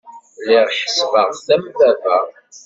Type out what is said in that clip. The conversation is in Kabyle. Lliɣ ḥesbeɣ-t am baba.